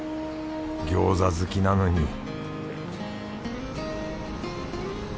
餃子好きなのに